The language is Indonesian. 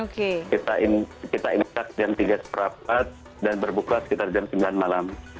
kita insak jam tiga empat puluh lima dan berbuka sekitar jam sembilan malam